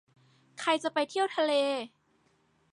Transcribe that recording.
ใครจะไปเที่ยวทะเล